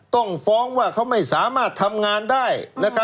ต้องฟ้องว่าเขาไม่สามารถทำงานได้